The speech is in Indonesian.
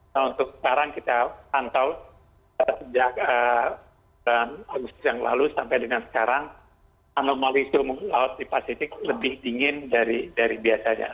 nah untuk sekarang kita pantau sejak bulan agustus yang lalu sampai dengan sekarang anomali suhu laut di pasifik lebih dingin dari biasanya